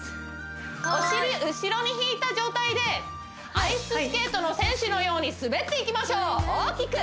お尻後ろに引いた状態でアイススケートの選手のように滑っていきましょう大きく！